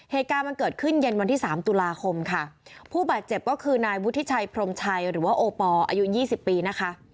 เหตุการณ์มันเกิดขึ้นเย็นวันที่สามตุลาคมค่ะผู้บาดเจ็บก็คือนายวุฒิชัยพรมชัยหรือว่าโอปอลอายุยี่สิบปีนะคะ